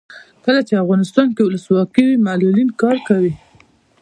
کله چې افغانستان کې ولسواکي وي معلولین کار کوي.